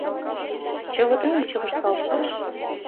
— Чывытаным чывышталшаш!